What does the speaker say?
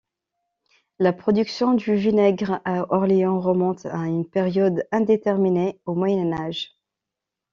La production du vinaigre à Orléans remonte à une période indéterminée au Moyen Âge.